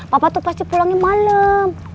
papa tuh pasti pulangnya malam